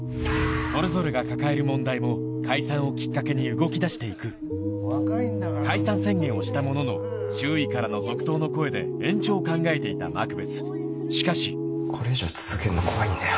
それぞれが抱える問題も解散をきっかけに動きだして行く解散宣言をしたものの周囲からの続投の声で延長を考えていたマクベスしかしこれ以上続けるの怖いんだよ。